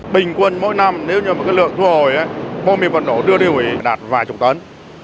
bình quân mỗi năm nếu như một lượng thu hồi bom mìn vật nổ đưa đi hủy đạt vài chục tấn